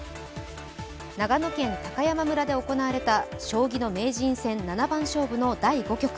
長野県高山村で行われた将棋の名人戦七番勝負の第５局。